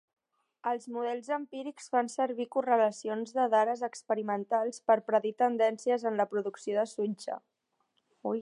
Els models empírics fan servir correlacions de dares experimentals per predir tendències en la producció de sutge.